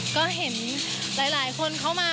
ก็เห็นหลายคนเข้ามา